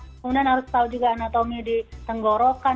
kemudian harus tahu juga anatomi di tenggorokan